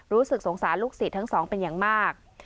รู้สึกสงสารลูกศิษย์ทั้งสองเป็นอย่างมาก